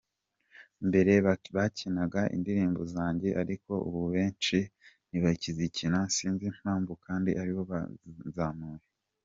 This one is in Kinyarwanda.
Mbere bakinaga indirimbo zanjye ariko ubu benshi ntibakizikina sinzi impamvu kandi aribo banzamuye.